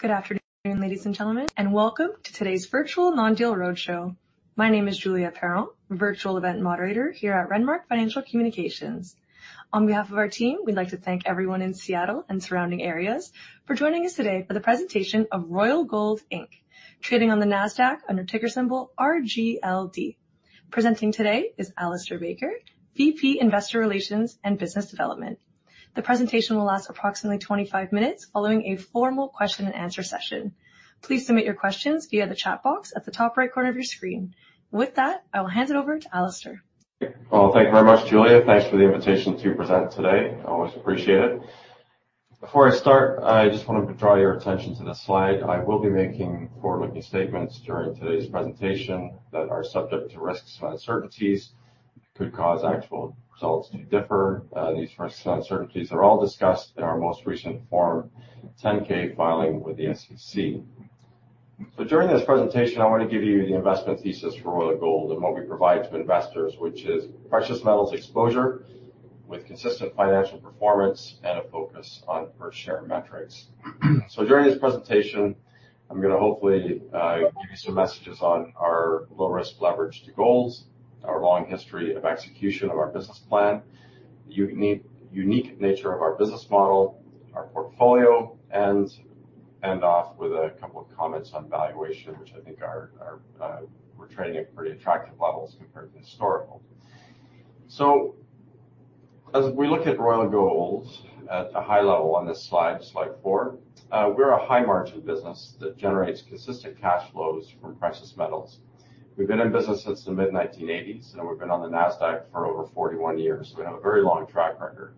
Good afternoon, ladies and gentlemen, and welcome to today's virtual non-deal roadshow. My name is Julia Perrell, virtual event moderator here at Renmark Financial Communications. On behalf of our team, we'd like to thank everyone in Seattle and surrounding areas for joining us today for the presentation of Royal Gold Inc., trading on the NASDAQ under ticker symbol RGLD. Presenting today is Alistair Baker, VP Investor Relations and Business Development. The presentation will last approximately 25 minutes following a formal question-and-answer session. Please submit your questions via the chat box at the top right corner of your screen. With that, I will hand it over to Alistair. Thank you very much, Julia. Thanks for the invitation to present today. I always appreciate it. Before I start, I just wanted to draw your attention to this slide. I will be making forward-looking statements during today's presentation that are subject to risks and uncertainties that could cause actual results to differ. These risks and uncertainties are all discussed in our most recent Form 10-K filing with the SEC. During this presentation, I want to give you the investment thesis for Royal Gold and what we provide to investors, which is precious metals exposure with consistent financial performance and a focus on per-share metrics. So during this presentation, I'm going to hopefully give you some messages on our low-risk leverage to gold, our long history of execution of our business plan, the unique nature of our business model, our portfolio, and end off with a couple of comments on valuation, which I think we're trading at pretty attractive levels compared to historical. So as we look at Royal Gold at a high level on this slide, slide four, we're a high-margin business that generates consistent cash flows from precious metals. We've been in business since the mid-1980s, and we've been on the NASDAQ for over 41 years, so we have a very long track record.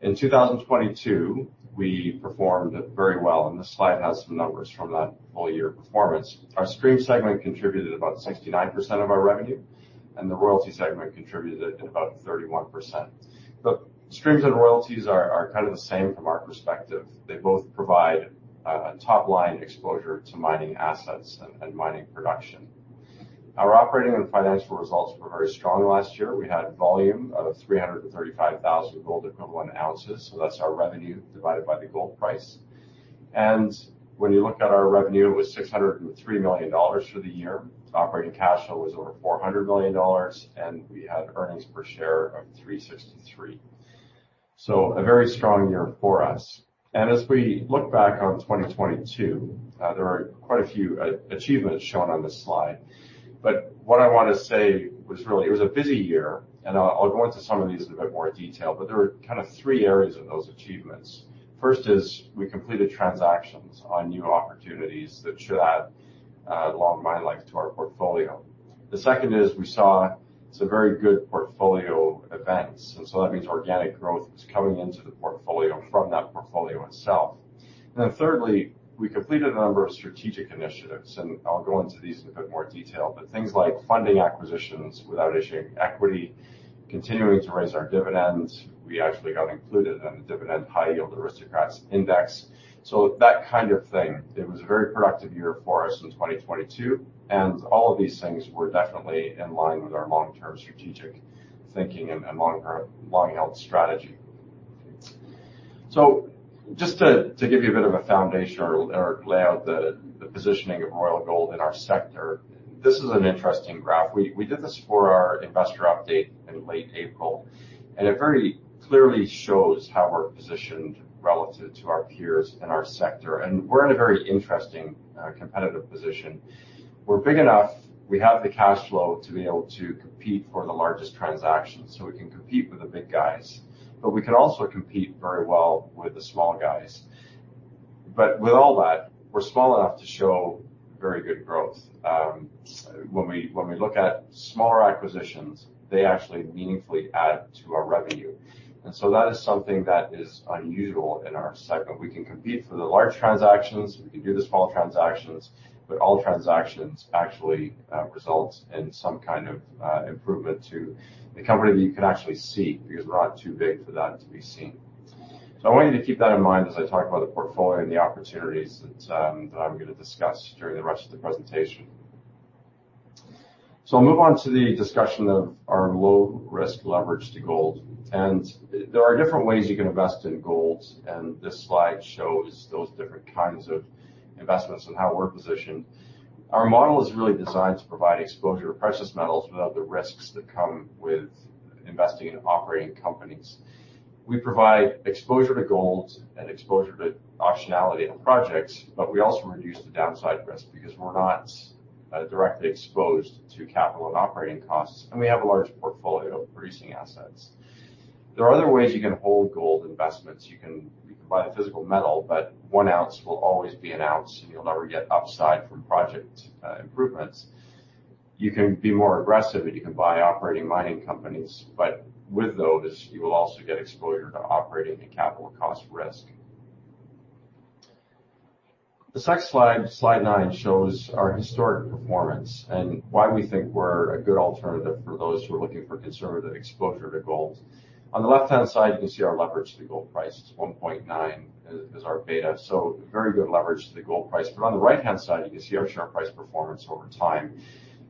In 2022, we performed very well, and this slide has some numbers from that full-year performance. Our stream segment contributed about 69% of our revenue, and the royalty segment contributed about 31%. But streams and royalties are kind of the same from our perspective. They both provide top-line exposure to mining assets and mining production. Our operating and financial results were very strong last year. We had volume of 335,000 gold equivalent ounces, so that's our revenue divided by the gold price. And when you look at our revenue, it was $603 million for the year. Operating cash flow was over $400 million, and we had earnings per share of $363. So a very strong year for us. And as we look back on 2022, there are quite a few achievements shown on this slide. But what I want to say was really it was a busy year, and I'll go into some of these in a bit more detail, but there were kind of three areas of those achievements. First is we completed transactions on new opportunities that should add long mileage to our portfolio. The second is we saw some very good portfolio events, and so that means organic growth was coming into the portfolio from that portfolio itself. And then thirdly, we completed a number of strategic initiatives, and I'll go into these in a bit more detail, but things like funding acquisitions without issuing equity, continuing to raise our dividends. We actually got included in the S&P High Yield Dividend Aristocrats Index. So that kind of thing. It was a very productive year for us in 2022, and all of these things were definitely in line with our long-term strategic thinking and long-held strategy. So just to give you a bit of a foundation or lay out the positioning of Royal Gold in our sector, this is an interesting graph. We did this for our investor update in late April, and it very clearly shows how we're positioned relative to our peers in our sector, and we're in a very interesting competitive position. We're big enough. We have the cash flow to be able to compete for the largest transactions, so we can compete with the big guys, but we can also compete very well with the small guys, but with all that, we're small enough to show very good growth. When we look at smaller acquisitions, they actually meaningfully add to our revenue, and so that is something that is unusual in our segment. We can compete for the large transactions. We can do the small transactions, but all transactions actually result in some kind of improvement to the company that you can actually see because we're not too big for that to be seen. I want you to keep that in mind as I talk about the portfolio and the opportunities that I'm going to discuss during the rest of the presentation. I'll move on to the discussion of our low-risk leverage to gold. There are different ways you can invest in gold, and this slide shows those different kinds of investments and how we're positioned. Our model is really designed to provide exposure to precious metals without the risks that come with investing in operating companies. We provide exposure to gold and exposure to optionality and projects, but we also reduce the downside risk because we're not directly exposed to capital and operating costs, and we have a large portfolio of producing assets. There are other ways you can hold gold investments. You can buy the physical metal, but one ounce will always be an ounce, and you'll never get upside from project improvements. You can be more aggressive, and you can buy operating mining companies, but with those, you will also get exposure to operating and capital cost risk. This next slide, slide nine, shows our historic performance and why we think we're a good alternative for those who are looking for conservative exposure to gold. On the left-hand side, you can see our leverage to the gold price. It's 1.9 as our beta, so very good leverage to the gold price. But on the right-hand side, you can see our share price performance over time.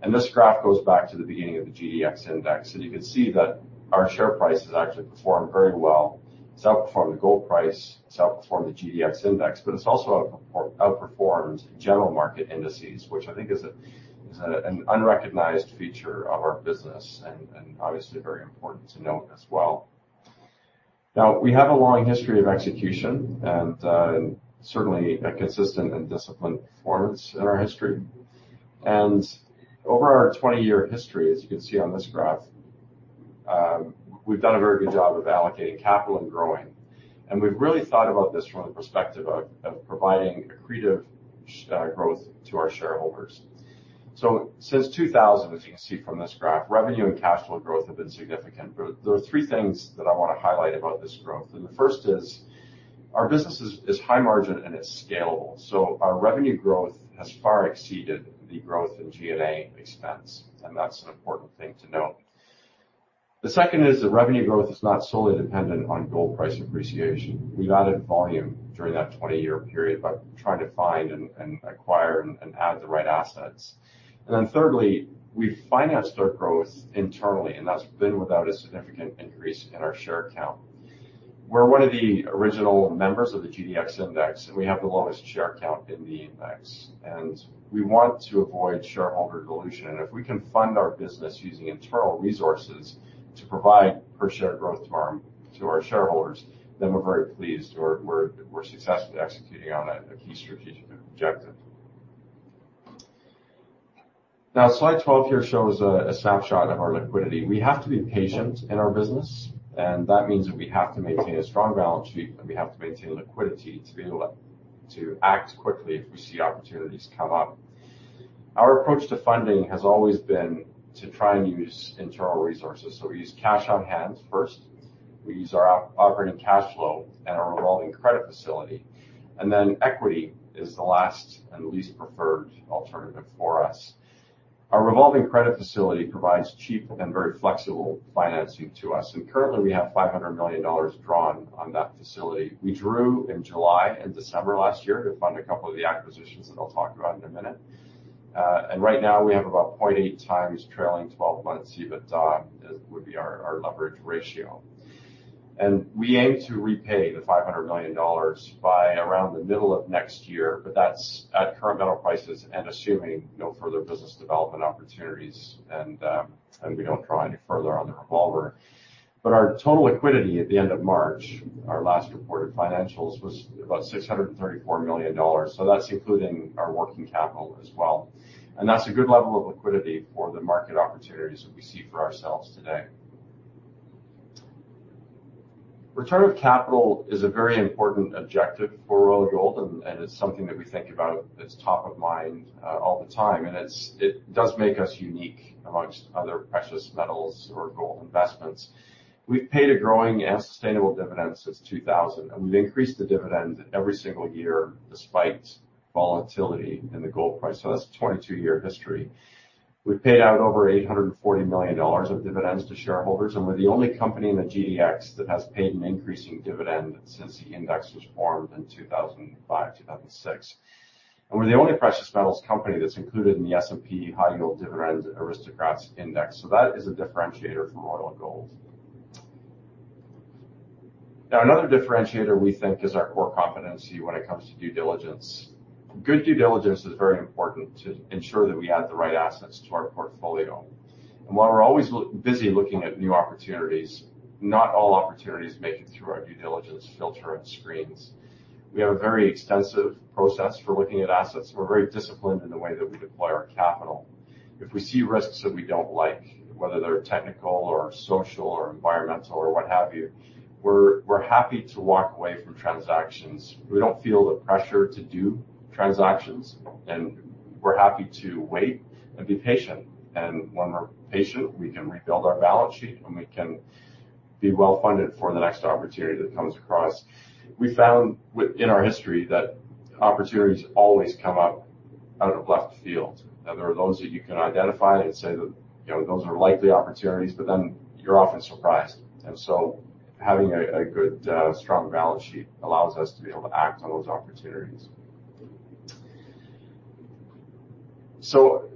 And this graph goes back to the beginning of the GDX index, and you can see that our share price has actually performed very well. It's outperformed the gold price. It's outperformed the GDX index, but it's also outperformed general market indices, which I think is an unrecognized feature of our business and obviously very important to note as well. Now, we have a long history of execution and certainly consistent and disciplined performance in our history, and over our 20-year history, as you can see on this graph, we've done a very good job of allocating capital and growing, and we've really thought about this from the perspective of providing accretive growth to our shareholders, so since 2000, as you can see from this graph, revenue and cash flow growth have been significant, but there are three things that I want to highlight about this growth, and the first is our business is high margin and it's scalable, so our revenue growth has far exceeded the growth in G&A expense, and that's an important thing to note. The second is the revenue growth is not solely dependent on gold price appreciation. We've added volume during that 20-year period by trying to find and acquire and add the right assets. And then thirdly, we've financed our growth internally, and that's been without a significant increase in our share count. We're one of the original members of the GDX index, and we have the lowest share count in the index. And we want to avoid shareholder dilution. And if we can fund our business using internal resources to provide per-share growth to our shareholders, then we're very pleased or we're successfully executing on a key strategic objective. Now, slide 12 here shows a snapshot of our liquidity. We have to be patient in our business, and that means that we have to maintain a strong balance sheet and we have to maintain liquidity to act quickly if we see opportunities come up. Our approach to funding has always been to try and use internal resources, so we use cash on hand first. We use our operating cash flow and our revolving credit facility. And then equity is the last and least preferred alternative for us. Our revolving credit facility provides cheap and very flexible financing to us. And currently, we have $500 million drawn on that facility. We drew in July and December last year to fund a couple of the acquisitions that I'll talk about in a minute. And right now, we have about 0.8 times trailing 12 months EBITDA as would be our leverage ratio. We aim to repay the $500 million by around the middle of next year, but that's at current metal prices and assuming no further business development opportunities, and we don't draw any further on the revolver. Our total liquidity at the end of March, our last reported financials, was about $634 million. That's including our working capital as well. That's a good level of liquidity for the market opportunities that we see for ourselves today. Return of capital is a very important objective for Royal Gold, and it's something that we think about that's top of mind all the time. It does make us unique amongst other precious metals or gold investments. We've paid a growing and sustainable dividend since 2000, and we've increased the dividend every single year despite volatility in the gold price. That's a 22-year history. We've paid out over $840 million of dividends to shareholders, and we're the only company in the GDX that has paid an increasing dividend since the index was formed in 2005, 2006. And we're the only precious metals company that's included in the S&P High Yield Dividend Aristocrats Index. So that is a differentiator for Royal Gold. Now, another differentiator we think is our core competency when it comes to due diligence. Good due diligence is very important to ensure that we add the right assets to our portfolio. And while we're always busy looking at new opportunities, not all opportunities make it through our due diligence filter and screens. We have a very extensive process for looking at assets. We're very disciplined in the way that we deploy our capital. If we see risks that we don't like, whether they're technical or social or environmental or what have you, we're happy to walk away from transactions. We don't feel the pressure to do transactions, and we're happy to wait and be patient. And when we're patient, we can rebuild our balance sheet, and we can be well-funded for the next opportunity that comes across. We found in our history that opportunities always come up out of left field. There are those that you can identify and say that those are likely opportunities, but then you're often surprised. And so having a good, strong balance sheet allows us to be able to act on those opportunities. So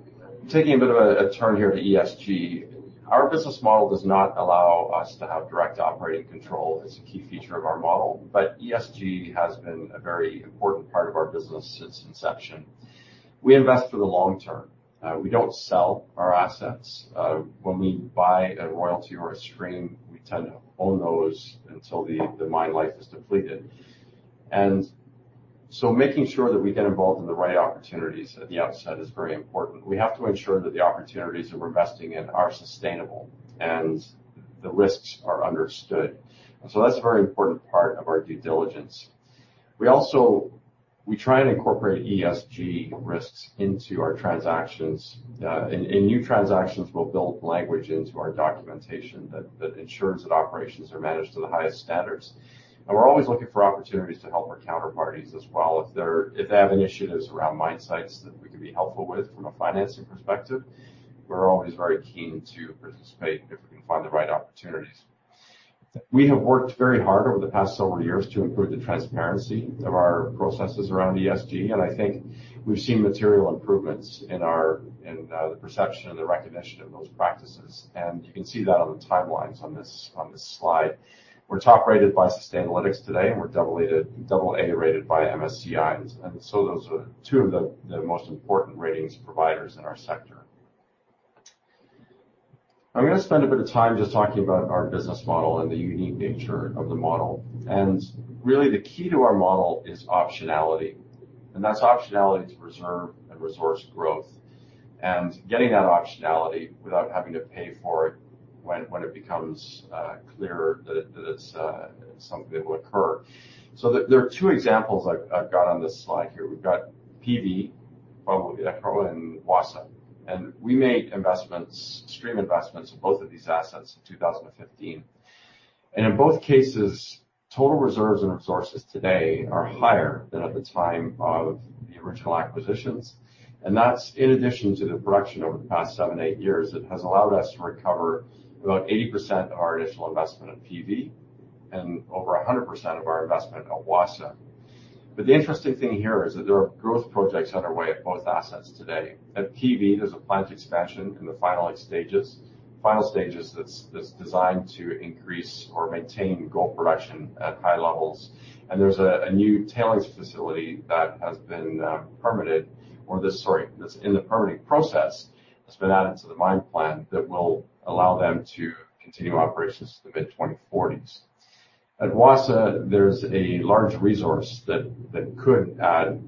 taking a bit of a turn here to ESG, our business model does not allow us to have direct operating control. It's a key feature of our model, but ESG has been a very important part of our business since inception. We invest for the long term. We don't sell our assets. When we buy a royalty or a stream, we tend to own those until the mine life is depleted. And so making sure that we get involved in the right opportunities at the outset is very important. We have to ensure that the opportunities that we're investing in are sustainable and the risks are understood. And so that's a very important part of our due diligence. We also try and incorporate ESG risks into our transactions. And new transactions will build language into our documentation that ensures that operations are managed to the highest standards. And we're always looking for opportunities to help our counterparties as well. If they have initiatives around mine sites that we could be helpful with from a financing perspective, we're always very keen to participate if we can find the right opportunities. We have worked very hard over the past several years to improve the transparency of our processes around ESG, and I think we've seen material improvements in the perception and the recognition of those practices, and you can see that on the timelines on this slide. We're top-rated by Sustainalytics today, and we're double-A rated by MSCI, and so those are two of the most important ratings providers in our sector. I'm going to spend a bit of time just talking about our business model and the unique nature of the model, and really, the key to our model is optionality, and that's optionality to preserve and resource growth. Getting that optionality without having to pay for it when it becomes clear that it's something that will occur. There are two examples I've got on this slide here. We've got PV, probably Ero, and Wassa. We made investments, stream investments in both of these assets in 2015. In both cases, total reserves and resources today are higher than at the time of the original acquisitions. That's in addition to the production over the past seven, eight years that has allowed us to recover about 80% of our initial investment in PV and over 100% of our investment at Wassa. The interesting thing here is that there are growth projects underway at both assets today. At PV, there's a plant expansion in the final stages, final stages that's designed to increase or maintain gold production at high levels. And there's a new tailings facility that has been permitted or sorry, that's in the permitting process that's been added to the mine plan that will allow them to continue operations to the mid-2040s. At Wassa, there's a large resource that could add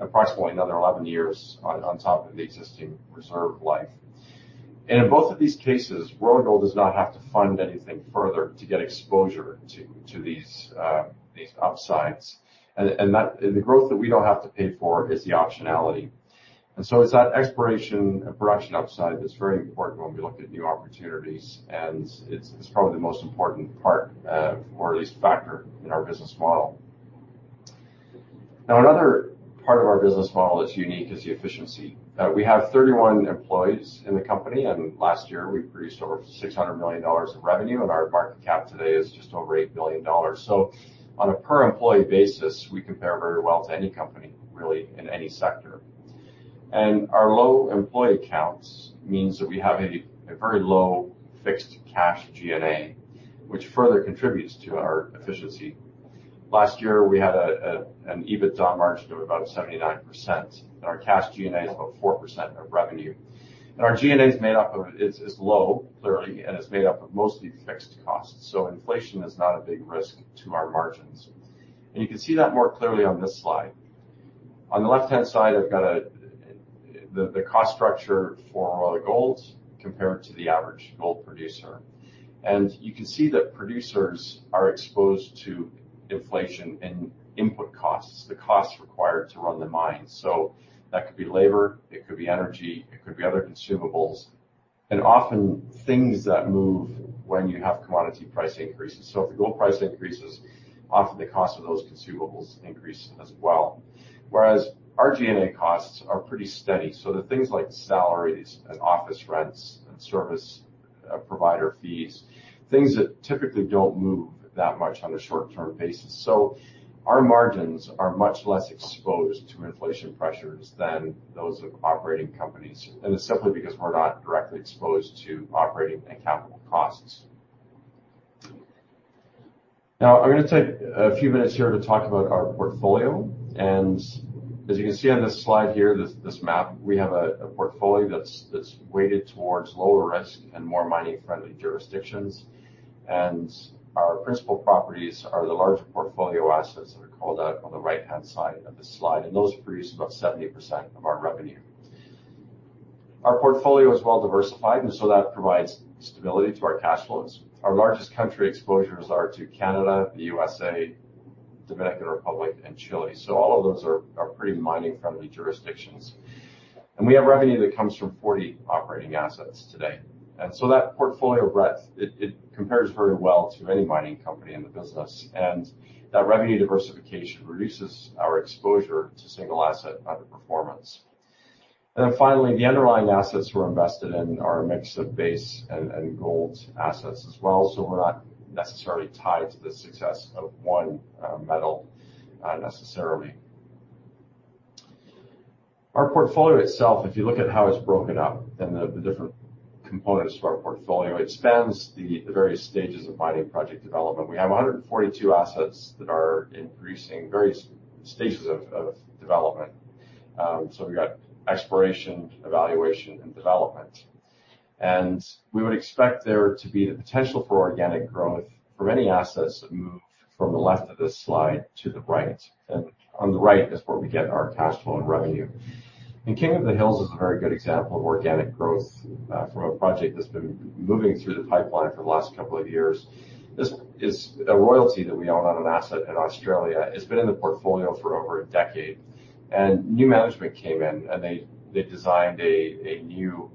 approximately another 11 years on top of the existing reserve life. And in both of these cases, Royal Gold does not have to fund anything further to get exposure to these upsides. And the growth that we don't have to pay for is the optionality. And so it's that exploration and production upside that's very important when we look at new opportunities, and it's probably the most important part or at least factor in our business model. Now, another part of our business model that's unique is the efficiency. We have 31 employees in the company, and last year, we produced over $600 million of revenue, and our market cap today is just over $8 billion, so on a per-employee basis, we compare very well to any company, really, in any sector, and our low employee counts means that we have a very low fixed cash G&A, which further contributes to our efficiency. Last year, we had an EBITDA margin of about 79%. Our cash G&A is about 4% of revenue, and our G&A is made up of is low, clearly, and it's made up of mostly fixed costs, so inflation is not a big risk to our margins, and you can see that more clearly on this slide. On the left-hand side, I've got the cost structure for Royal Gold compared to the average gold producer. And you can see that producers are exposed to inflation and input costs, the costs required to run the mine. So that could be labor. It could be energy. It could be other consumables. And often, things that move when you have commodity price increases. So if the gold price increases, often the cost of those consumables increase as well. Whereas our G&A costs are pretty steady. So the things like salaries and office rents and service provider fees, things that typically don't move that much on a short-term basis. So our margins are much less exposed to inflation pressures than those of operating companies. And it's simply because we're not directly exposed to operating and capital costs. Now, I'm going to take a few minutes here to talk about our portfolio. And as you can see on this slide here, this map, we have a portfolio that's weighted towards lower risk and more mining-friendly jurisdictions. And our principal properties are the larger portfolio assets that are called out on the right-hand side of this slide. And those produce about 70% of our revenue. Our portfolio is well-diversified, and so that provides stability to our cash flows. Our largest country exposures are to Canada, the USA, Dominican Republic, and Chile. So all of those are pretty mining-friendly jurisdictions. And we have revenue that comes from 40 operating assets today. And so that portfolio breadth, it compares very well to any mining company in the business. And that revenue diversification reduces our exposure to single asset underperformance. And then finally, the underlying assets we're invested in are a mix of base and gold assets as well. So we're not necessarily tied to the success of one metal necessarily. Our portfolio itself, if you look at how it's broken up and the different components of our portfolio, it spans the various stages of mining project development. We have 142 assets that are in producing various stages of development. So we've got exploration, evaluation, and development. And we would expect there to be the potential for organic growth for many assets that move from the left of this slide to the right. And on the right is where we get our cash flow and revenue. And King of the Hills is a very good example of organic growth from a project that's been moving through the pipeline for the last couple of years. This is a royalty that we own on an asset in Australia. It's been in the portfolio for over a decade. And new management came in, and they designed a new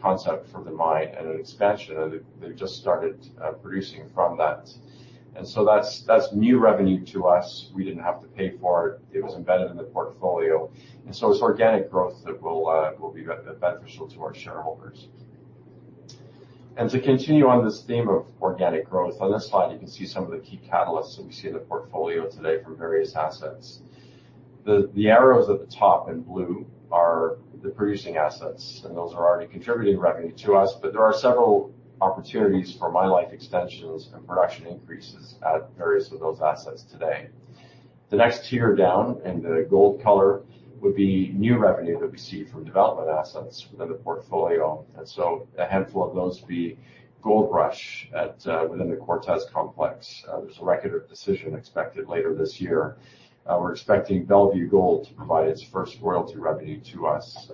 concept for the mine and an expansion, and they've just started producing from that. And so that's new revenue to us. We didn't have to pay for it. It was embedded in the portfolio. And so it's organic growth that will be beneficial to our shareholders. And to continue on this theme of organic growth, on this slide, you can see some of the key catalysts that we see in the portfolio today from various assets. The arrows at the top in blue are the producing assets, and those are already contributing revenue to us. But there are several opportunities for mine life extensions and production increases at various of those assets today. The next tier down in the gold color would be new revenue that we see from development assets within the portfolio. A handful of those would be Gold Rush within the Cortez Complex. There's a record of decision expected later this year. We're expecting Bellevue Gold to provide its first royalty revenue to us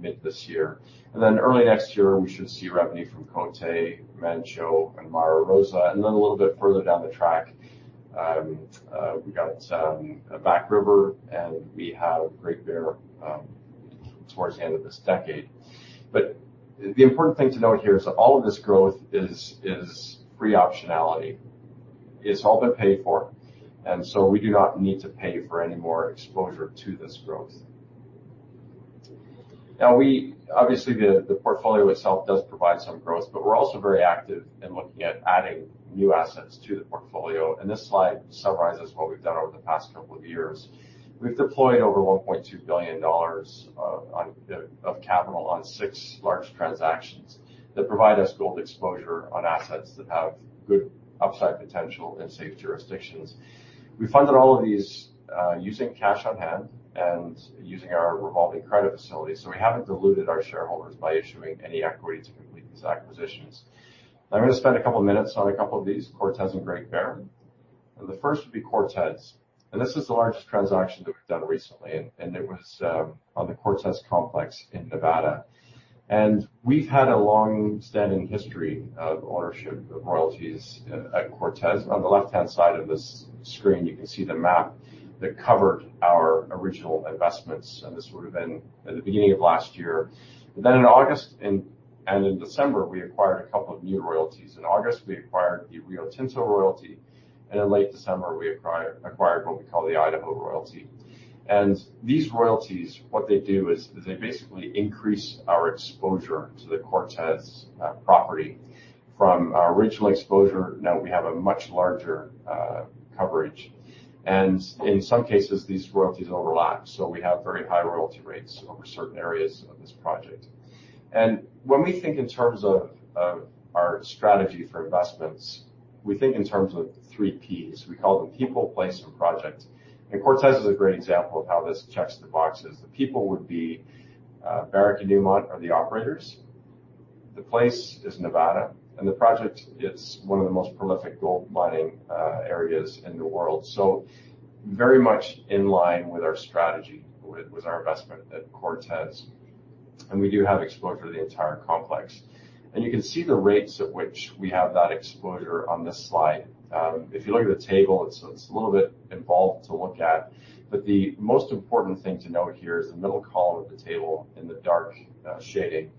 mid this year. Then early next year, we should see revenue from Côté, Manh Choh, and Mara Rosa. Then a little bit further down the track, we've got Back River, and we have Great Bear towards the end of this decade. The important thing to note here is that all of this growth is free optionality. It's all been paid for. We do not need to pay for any more exposure to this growth. Now, obviously, the portfolio itself does provide some growth, but we're also very active in looking at adding new assets to the portfolio. This slide summarizes what we've done over the past couple of years. We've deployed over $1.2 billion of capital on six large transactions that provide us gold exposure on assets that have good upside potential in safe jurisdictions. We funded all of these using cash on hand and using our revolving credit facility. So we haven't diluted our shareholders by issuing any equity to complete these acquisitions. I'm going to spend a couple of minutes on a couple of these: Cortez and Great Bear. And the first would be Cortez. And this is the largest transaction that we've done recently, and it was on the Cortez Complex in Nevada. And we've had a long-standing history of ownership of royalties at Cortez. On the left-hand side of this screen, you can see the map that covered our original investments. And this would have been at the beginning of last year. Then in August and in December, we acquired a couple of new royalties. In August, we acquired the Rio Tinto royalty. In late December, we acquired what we call the Idaho royalty. These royalties, what they do is they basically increase our exposure to the Cortez property from our original exposure. Now, we have a much larger coverage. In some cases, these royalties overlap. We have very high royalty rates over certain areas of this project. When we think in terms of our strategy for investments, we think in terms of three Ps. We call them people, place, and project. Cortez is a great example of how this checks the boxes. The people would be Barrick and Newmont are the operators. The place is Nevada. The project is one of the most prolific gold mining areas in the world. It is very much in line with our strategy, with our investment at Cortez. We do have exposure to the entire complex. You can see the rates at which we have that exposure on this slide. If you look at the table, it's a little bit involved to look at. The most important thing to note here is the middle column of the table in the dark shading.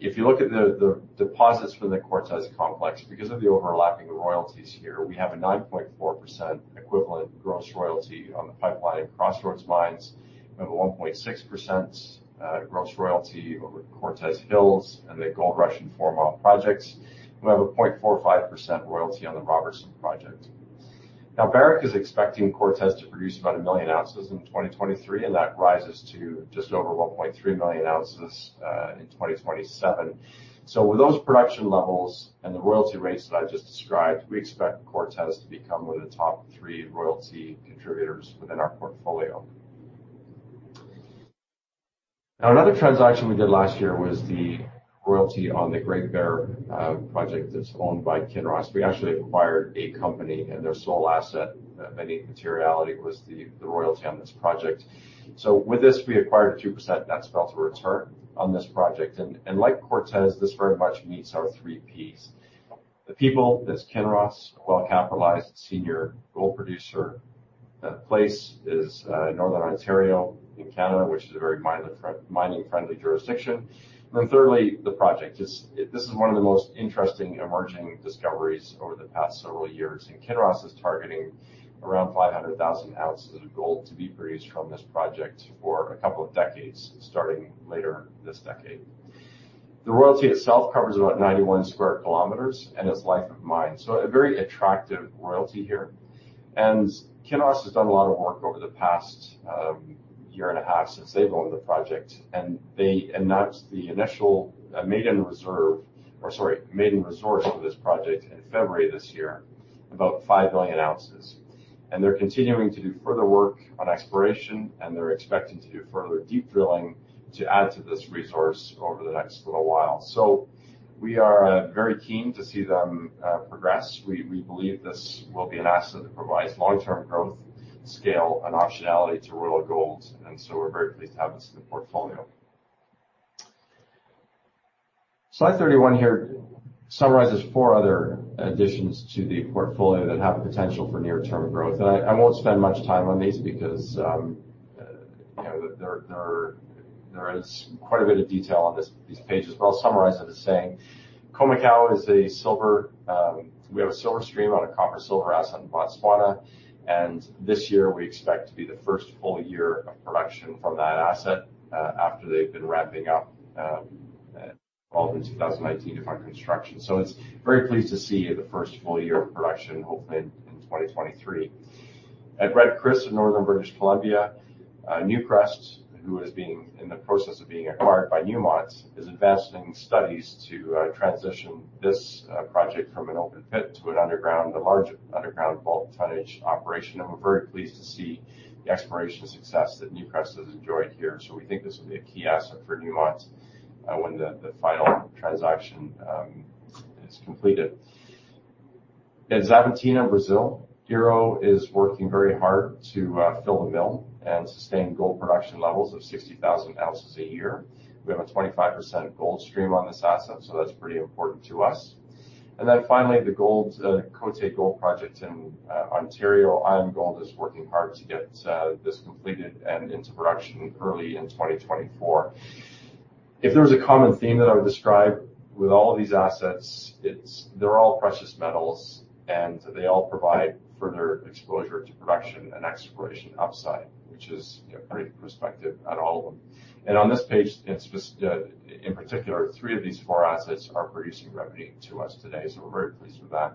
If you look at the deposits from the Cortez Complex, because of the overlapping royalties here, we have a 9.4% equivalent gross royalty on the Pipeline and Crossroads Mines. We have a 1.6% gross royalty over Cortez Hills and the Gold Rush and Four Mile Projects. We have a 0.45% royalty on the Robertson Project. Now, Barrick is expecting Cortez to produce about 1 million ounces in 2023, and that rises to just over 1.3 million ounces in 2027. So with those production levels and the royalty rates that I just described, we expect Cortez to become one of the top three royalty contributors within our portfolio. Now, another transaction we did last year was the royalty on the Great Bear Project that's owned by Kinross. We actually acquired a company, and their sole asset, any materiality, was the royalty on this project. So with this, we acquired 2%. That's full return on this project. And like Cortez, this very much meets our three Ps. The people, that's Kinross, well-capitalized, senior gold producer. The place is Northern Ontario in Canada, which is a very mining-friendly jurisdiction. And then thirdly, the project. This is one of the most interesting emerging discoveries over the past several years. Kinross is targeting around 500,000 ounces of gold to be produced from this project for a couple of decades, starting later this decade. The royalty itself covers about 91 sq km and is life of mine. A very attractive royalty here. Kinross has done a lot of work over the past year and a half since they've owned the project. They announced the initial maiden reserve or sorry, maiden resource for this project in February this year, about five million ounces. They're continuing to do further work on exploration, and they're expecting to do further deep drilling to add to this resource over the next little while. We are very keen to see them progress. We believe this will be an asset that provides long-term growth, scale, and optionality to Royal Gold. We're very pleased to have this in the portfolio. Slide 31 here summarizes four other additions to the portfolio that have potential for near-term growth. I won't spend much time on these because there is quite a bit of detail on these pages. I'll summarize it as saying, Khoemacau. We have a silver stream on a copper-silver asset in Botswana. This year, we expect to be the first full year of production from that asset after they've been ramping up all of the 2019 construction. We're very pleased to see the first full year of production, hopefully in 2023. At Red Chris in Northern British Columbia, Newcrest, who is in the process of being acquired by Newmont, is advancing studies to transition this project from an open pit to a large underground bulk tonnage operation. We're very pleased to see the exploration success that Newcrest has enjoyed here. So we think this will be a key asset for Newmont when the final transaction is completed. In Xavantina, Brazil, Ero is working very hard to fill the mill and sustain gold production levels of 60,000 ounces a year. We have a 25% gold stream on this asset, so that's pretty important to us. And then finally, the Côté Gold project in Ontario, IAMGOLD, is working hard to get this completed and into production early in 2024. If there was a common theme that I would describe with all of these assets, they're all precious metals, and they all provide further exposure to production and exploration upside, which is great perspective on all of them. And on this page, in particular, three of these four assets are producing revenue to us today. So we're very pleased with that.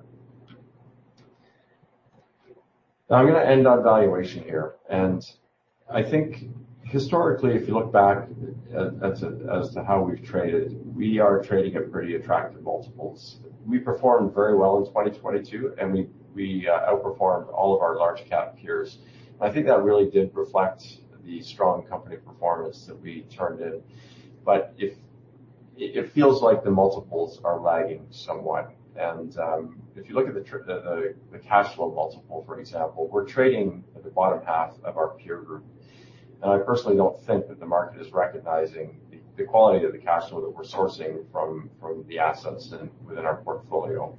Now, I'm going to end on valuation here. I think historically, if you look back as to how we've traded, we are trading at pretty attractive multiples. We performed very well in 2022, and we outperformed all of our large-cap peers. I think that really did reflect the strong company performance that we turned in. But it feels like the multiples are lagging somewhat. If you look at the cash flow multiple, for example, we're trading at the bottom half of our peer group. I personally don't think that the market is recognizing the quality of the cash flow that we're sourcing from the assets within our portfolio.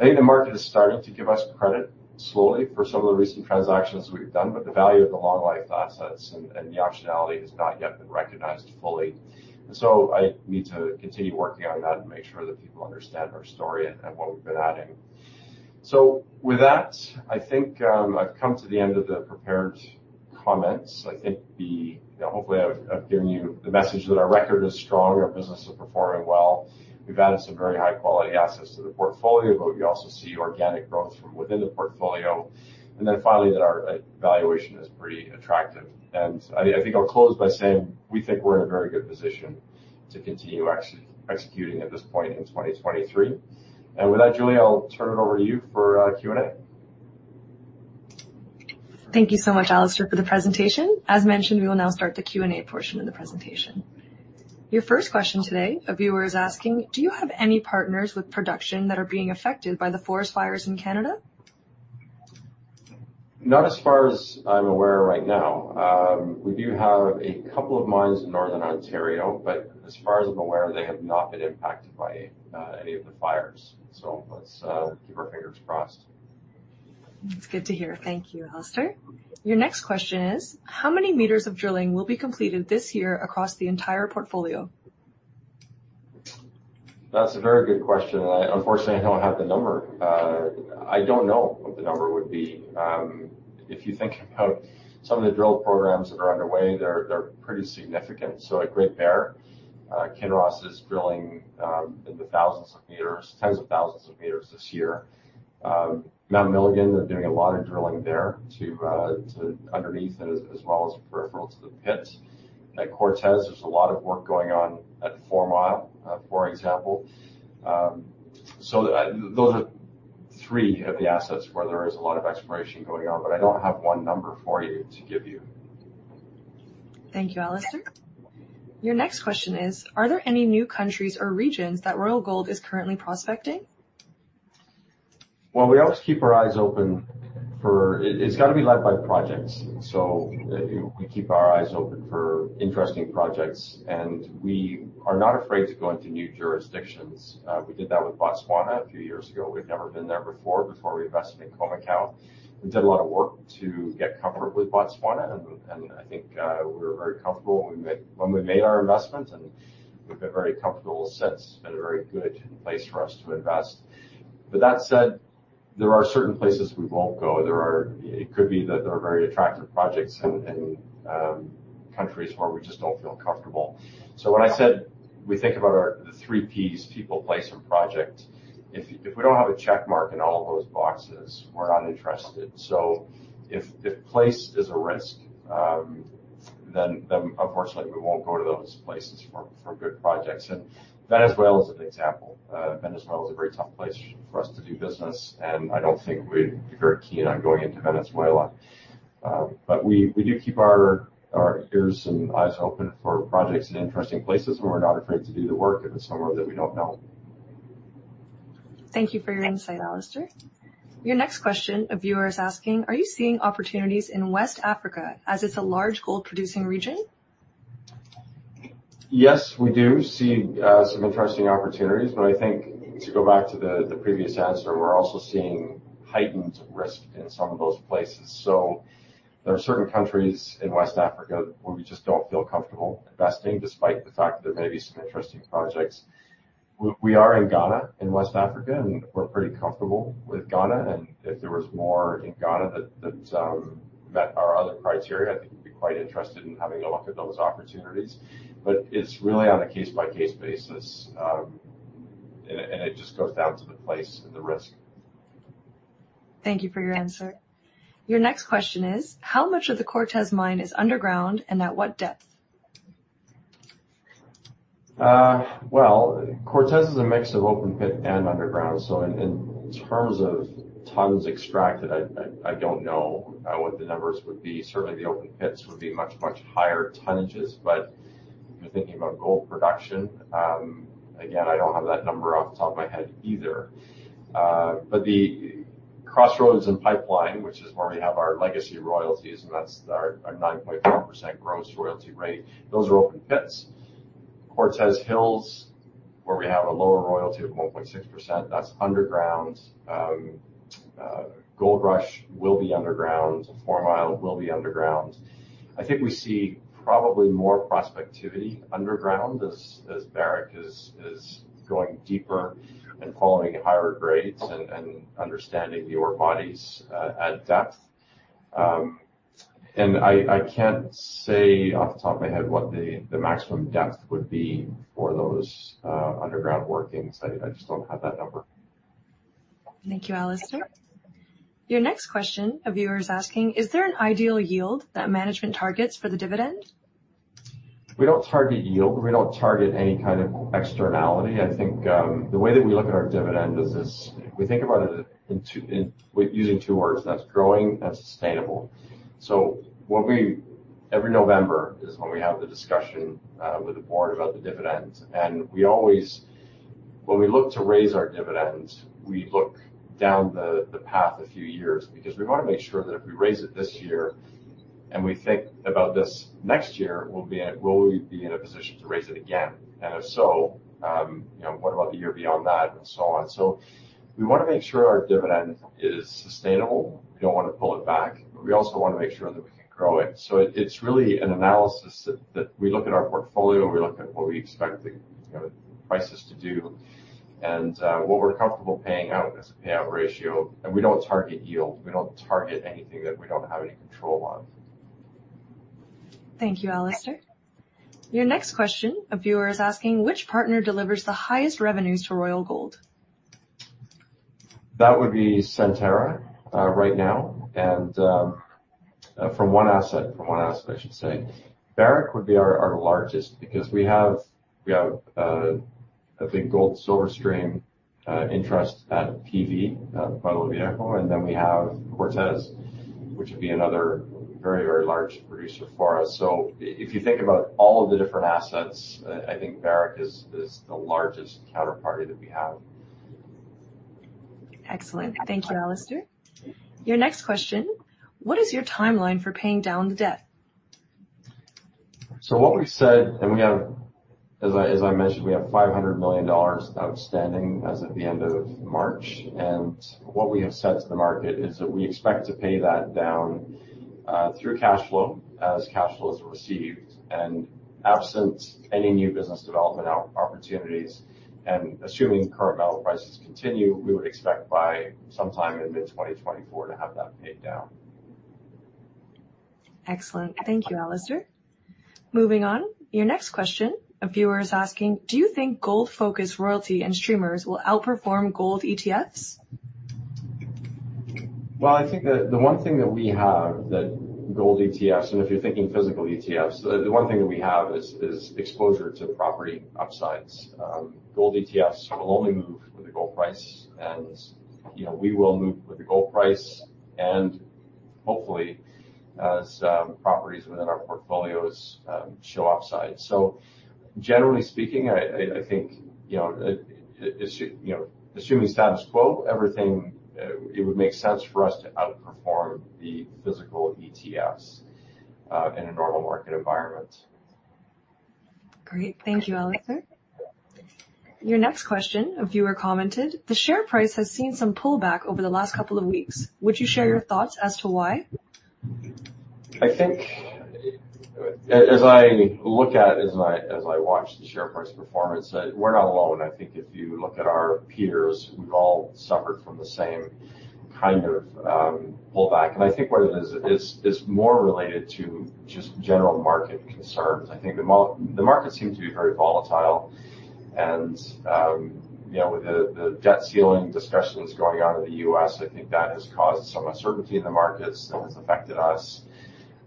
I think the market is starting to give us credit slowly for some of the recent transactions we've done, but the value of the long-life assets and the optionality has not yet been recognized fully. And so I need to continue working on that and make sure that people understand our story and what we've been adding. So with that, I think I've come to the end of the prepared comments. I think hopefully I've given you the message that our record is strong, our business is performing well. We've added some very high-quality assets to the portfolio, but we also see organic growth from within the portfolio. And then finally, that our valuation is pretty attractive. And I think I'll close by saying we think we're in a very good position to continue executing at this point in 2023. And with that, Julia, I'll turn it over to you for Q&A. Thank you so much, Alistair, for the presentation. As mentioned, we will now start the Q&A portion of the presentation. Your first question today, a viewer is asking, do you have any partners with production that are being affected by the forest fires in Canada? Not as far as I'm aware right now. We do have a couple of mines in Northern Ontario, but as far as I'm aware, they have not been impacted by any of the fires. So let's keep our fingers crossed. That's good to hear. Thank you, Alistair. Your next question is, how many meters of drilling will be completed this year across the entire portfolio? That's a very good question. Unfortunately, I don't have the number. I don't know what the number would be. If you think about some of the drill programs that are underway, they're pretty significant. So at Great Bear, Kinross is drilling in the thousands of meters, tens of thousands of meters this year. Mount Milligan, they're doing a lot of drilling there too underneath as well as peripheral to the pits. At Cortez, there's a lot of work going on at Four Mile, for example. So those are three of the assets where there is a lot of exploration going on, but I don't have one number for you to give you. Thank you, Alistair. Your next question is, are there any new countries or regions that Royal Gold is currently prospecting? Well, we always keep our eyes open for it's got to be led by projects. So we keep our eyes open for interesting projects. And we are not afraid to go into new jurisdictions. We did that with Botswana a few years ago. We've never been there before we invested in Khoemacau. We did a lot of work to get comfort with Botswana. And I think we were very comfortable when we made our investment. And we've been very comfortable since. It's been a very good place for us to invest. With that said, there are certain places we won't go. It could be that there are very attractive projects in countries where we just don't feel comfortable. So when I said we think about the three Ps, people, place, and project, if we don't have a check mark in all of those boxes, we're not interested. So if place is a risk, then unfortunately, we won't go to those places for good projects. And Venezuela is an example. Venezuela is a very tough place for us to do business. And I don't think we'd be very keen on going into Venezuela. We do keep our ears and eyes open for projects in interesting places where we're not afraid to do the work if it's somewhere that we don't know. Thank you for your insight, Alistair. Your next question, a viewer is asking, are you seeing opportunities in West Africa as it's a large gold-producing region? Yes, we do see some interesting opportunities. I think to go back to the previous answer, we're also seeing heightened risk in some of those places. There are certain countries in West Africa where we just don't feel comfortable investing despite the fact that there may be some interesting projects. We are in Ghana in West Africa, and we're pretty comfortable with Ghana. If there was more in Ghana that met our other criteria, I think we'd be quite interested in having a look at those opportunities. But it's really on a case-by-case basis. And it just goes down to the place and the risk. Thank you for your answer. Your next question is, how much of the Cortez mine is underground and at what depth? Well, Cortez is a mix of open pit and underground. So in terms of tons extracted, I don't know what the numbers would be. Certainly, the open pits would be much, much higher tonnages. But if you're thinking about gold production, again, I don't have that number off the top of my head either. But the Crossroads and Pipeline, which is where we have our legacy royalties, and that's our 9.4% gross royalty rate, those are open pits. Cortez Hills, where we have a lower royalty of 1.6%, that's underground. Gold Rush will be underground. Four Mile will be underground. I think we see probably more prospectivity underground as Barrick is going deeper and following higher grades and understanding the ore bodies at depth. And I can't say off the top of my head what the maximum depth would be for those underground workings. I just don't have that number. Thank you, Alistair. Your next question, a viewer is asking, is there an ideal yield that management targets for the dividend? We don't target yield. We don't target any kind of externality. I think the way that we look at our dividend is this: we think about it using two words, and that's growing and sustainable. So every November is when we have the discussion with the board about the dividend. When we look to raise our dividend, we look down the path a few years because we want to make sure that if we raise it this year and we think about this next year, will we be in a position to raise it again? If so, what about the year beyond that, and so on? We want to make sure our dividend is sustainable. We don't want to pull it back. We also want to make sure that we can grow it. It's really an analysis that we look at our portfolio. We look at what we expect the prices to do and what we're comfortable paying out as a payout ratio. We don't target yield. We don't target anything that we don't have any control on. Thank you, Alistair. Your next question, a viewer is asking, which partner delivers the highest revenues to Royal Gold? That would be Centerra right now. And from one asset, I should say, Barrick would be our largest because we have a big gold silver stream interest at PV, Pueblo Viejo. And then we have Cortez, which would be another very, very large producer for us. So if you think about all of the different assets, I think Barrick is the largest counterparty that we have. Excellent. Thank you, Alistair. Your next question, what is your timeline for paying down the debt? So what we've said, and as I mentioned, we have $500 million outstanding as of the end of March. And what we have said to the market is that we expect to pay that down through cash flow as cash flow is received. Absent any new business development opportunities, and assuming current metal prices continue, we would expect by sometime in mid-2024 to have that paid down. Excellent. Thank you, Alistair. Moving on, your next question, a viewer is asking, do you think gold-focused royalty and streamers will outperform gold ETFs? I think the one thing that we have that gold ETFs, and if you're thinking physical ETFs, the one thing that we have is exposure to property upsides. Gold ETFs will only move with the gold price. We will move with the gold price and hopefully as properties within our portfolios show upside. Generally speaking, I think assuming status quo, it would make sense for us to outperform the physical ETFs in a normal market environment. Great. Thank you, Alistair. Your next question, a viewer commented, the share price has seen some pullback over the last couple of weeks. Would you share your thoughts as to why? I think as I look at, as I watch the share price performance, we're not alone. I think if you look at our peers, we've all suffered from the same kind of pullback. And I think what it is is more related to just general market concerns. I think the markets seem to be very volatile. And with the debt ceiling discussions going on in the U.S., I think that has caused some uncertainty in the markets that has affected us.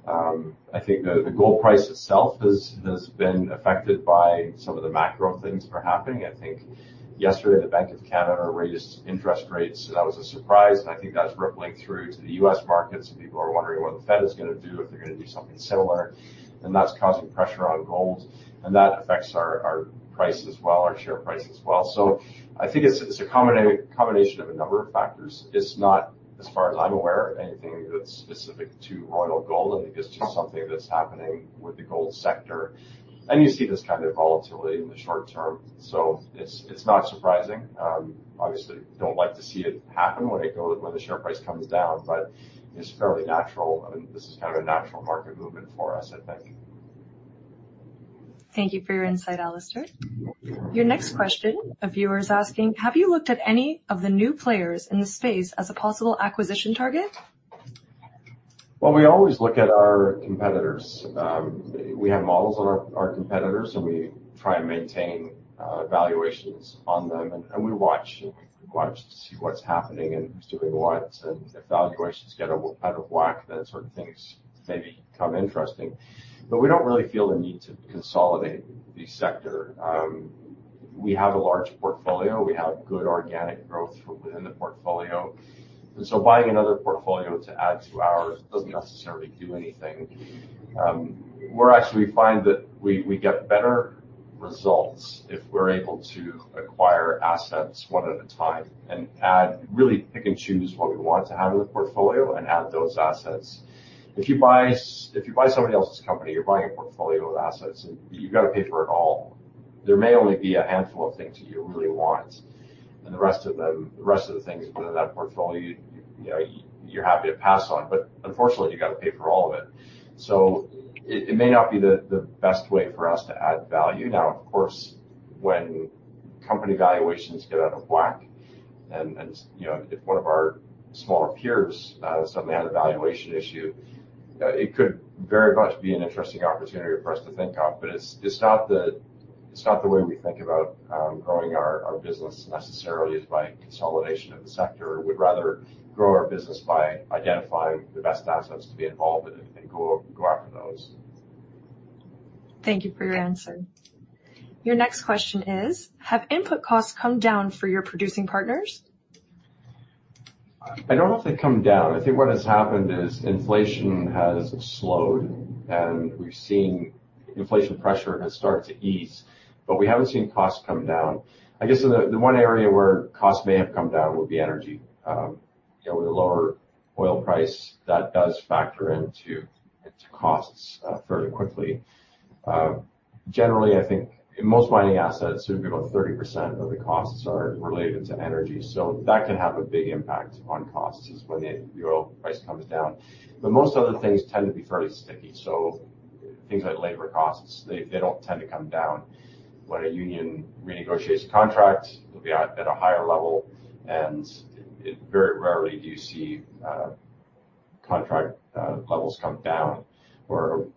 I think the gold price itself has been affected by some of the macro things that are happening. I think yesterday, the Bank of Canada raised interest rates. That was a surprise. And I think that's rippling through to the U.S. markets. People are wondering what the Fed is going to do if they're going to do something similar. That's causing pressure on gold. That affects our price as well, our share price as well. I think it's a combination of a number of factors. It's not, as far as I'm aware, anything that's specific to Royal Gold. I think it's just something that's happening with the gold sector. You see this kind of volatility in the short term. It's not surprising. Obviously, I don't like to see it happen when the share price comes down, but it's fairly natural. This is kind of a natural market movement for us, I think. Thank you for your insight, Alistair. Your next question, a viewer is asking, have you looked at any of the new players in the space as a possible acquisition target? We always look at our competitors. We have models on our competitors, and we try and maintain valuations on them. And we watch to see what's happening and who's doing what. And if valuations get out of whack, then certain things may become interesting. But we don't really feel the need to consolidate the sector. We have a large portfolio. We have good organic growth within the portfolio. And so buying another portfolio to add to ours doesn't necessarily do anything. We actually find that we get better results if we're able to acquire assets one at a time and really pick and choose what we want to have in the portfolio and add those assets. If you buy somebody else's company, you're buying a portfolio of assets, and you've got to pay for it all. There may only be a handful of things that you really want. And the rest of the things within that portfolio, you're happy to pass on. But unfortunately, you've got to pay for all of it. So it may not be the best way for us to add value. Now, of course, when company valuations get out of whack, and if one of our smaller peers suddenly had a valuation issue, it could very much be an interesting opportunity for us to think of. But it's not the way we think about growing our business necessarily is by consolidation of the sector. We'd rather grow our business by identifying the best assets to be involved in it and go after those. Thank you for your answer. Your next question is, have input costs come down for your producing partners? I don't know if they've come down. I think what has happened is inflation has slowed. We've seen inflation pressure has started to ease. But we haven't seen costs come down. I guess the one area where costs may have come down would be energy. With a lower oil price, that does factor into costs fairly quickly. Generally, I think in most mining assets, it would be about 30% of the costs are related to energy. So that can have a big impact on costs when the oil price comes down. But most other things tend to be fairly sticky. So things like labor costs, they don't tend to come down. When a union renegotiates a contract, it'll be at a higher level. And very rarely do you see contract levels come down or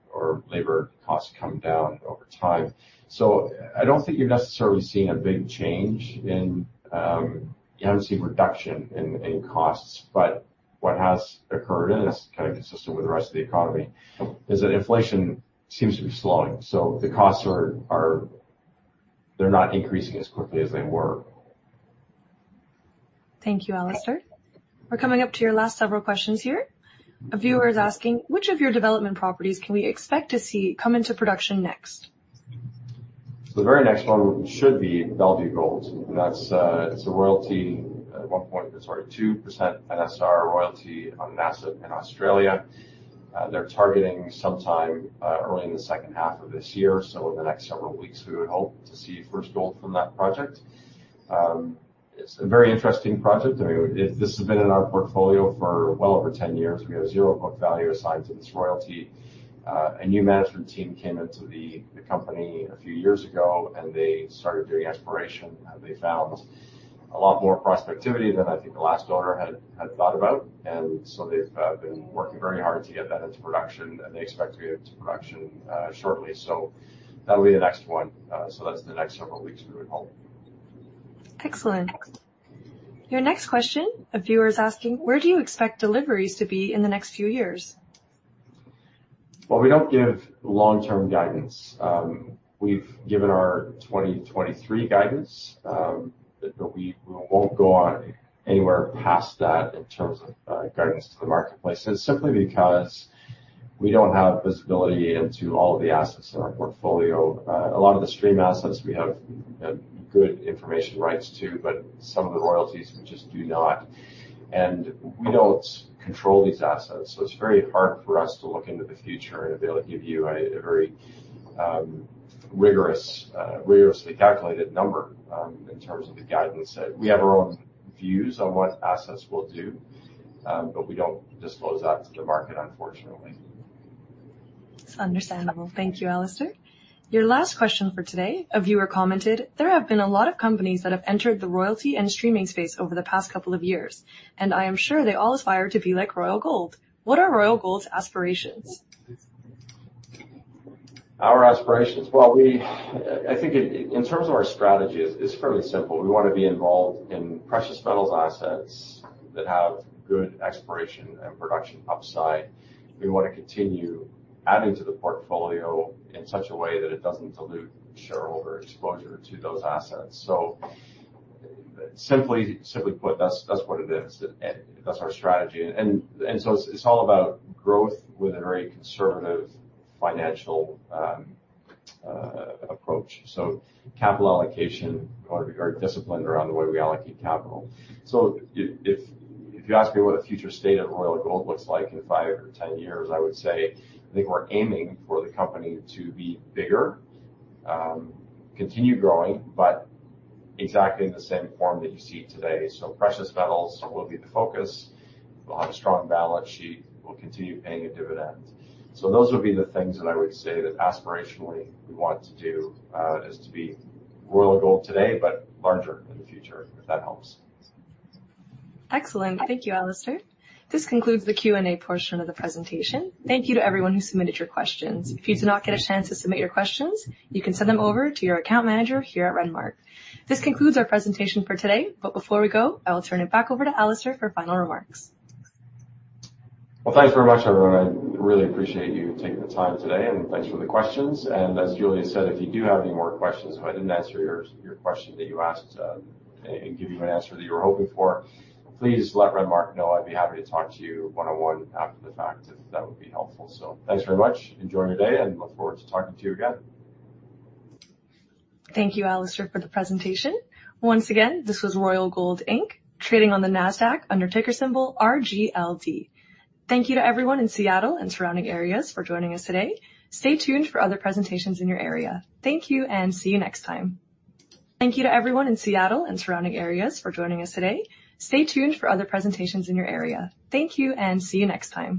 labor costs come down over time. So I don't think you've necessarily seen a big change in, you haven't seen reduction in costs. But what has occurred, and it's kind of consistent with the rest of the economy, is that inflation seems to be slowing. So the costs, they're not increasing as quickly as they were. Thank you, Alistair. We're coming up to your last several questions here. A viewer is asking, which of your development properties can we expect to see come into production next? The very next one should be Bellevue Gold. That's a royalty at one point, sorry, 2% NSR royalty on an asset in Australia. They're targeting sometime early in the second half of this year. So in the next several weeks, we would hope to see first gold from that project. It's a very interesting project. I mean, this has been in our portfolio for well over 10 years. We have zero book value assigned to this royalty. A new management team came into the company a few years ago, and they started doing exploration, and they found a lot more prospectivity than I think the last owner had thought about. And so they've been working very hard to get that into production, and they expect to get it into production shortly. So that'll be the next one, so that's the next several weeks we would hope. Excellent. Your next question: a viewer is asking, where do you expect deliveries to be in the next few years? Well, we don't give long-term guidance. We've given our 2023 guidance, but we won't go anywhere past that in terms of guidance to the marketplace, and it's simply because we don't have visibility into all of the assets in our portfolio. A lot of the stream assets we have good information rights to, but some of the royalties we just do not. And we don't control these assets. So it's very hard for us to look into the future and be able to give you a very rigorously calculated number in terms of the guidance. We have our own views on what assets will do, but we don't disclose that to the market, unfortunately. That's understandable. Thank you, Alistair. Your last question for today, a viewer commented, there have been a lot of companies that have entered the royalty and streaming space over the past couple of years. And I am sure they all aspire to be like Royal Gold. What are Royal Gold's aspirations? Our aspirations, well, I think in terms of our strategy, it's fairly simple. We want to be involved in precious metals assets that have good exploration and production upside. We want to continue adding to the portfolio in such a way that it doesn't dilute shareholder exposure to those assets. So simply put, that's what it is. That's our strategy, and so it's all about growth with a very conservative financial approach. So capital allocation, or discipline around the way we allocate capital. If you ask me what a future state of Royal Gold looks like in five or 10 years, I would say I think we're aiming for the company to be bigger, continue growing, but exactly in the same form that you see today. Precious metals will be the focus. We'll have a strong balance sheet. We'll continue paying a dividend. So those would be the things that I would say that aspirationally we want to do is to be Royal Gold today, but larger in the future, if that helps. Excellent. Thank you, Alistair. This concludes the Q&A portion of the presentation. Thank you to everyone who submitted your questions. If you do not get a chance to submit your questions, you can send them over to your account manager here at Renmark. This concludes our presentation for today. But before we go, I will turn it back over to Alistair for final remarks. Well, thanks very much, everyone. I really appreciate you taking the time today. And thanks for the questions. And as Julia said, if you do have any more questions, if I didn't answer your question that you asked and give you an answer that you were hoping for, please let Renmark know. I'd be happy to talk to you one-on-one after the fact if that would be helpful. So thanks very much. Enjoy your day and look forward to talking to you again. Thank you, Alistair, for the presentation. Once again, this was Royal Gold Inc., trading on the NASDAQ under ticker symbol RGLD. Thank you to everyone in Seattle and surrounding areas for joining us today. Stay tuned for other presentations in your area. Thank you and see you next time.